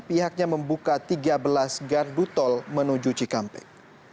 pihaknya membuka tiga belas gardu tol menuju cikampek